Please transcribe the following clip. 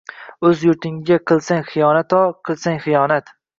Oʼz yurtingga qilsang xiyonat-o, qilsang xiyonat.